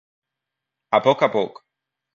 A poc a poc!